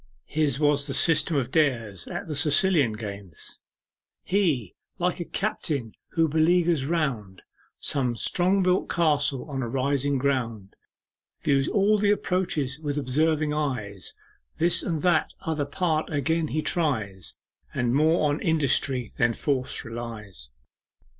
His was the system of Dares at the Sicilian games 'He, like a captain who beleaguers round Some strong built castle on a rising ground, Views all the approaches with observing eyes, This and that other part again he tries, And more on industry than force relies.